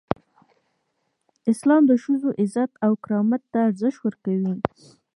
اسلام د ښځو عزت او کرامت ته ارزښت ورکوي.